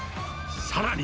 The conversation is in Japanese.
さらに。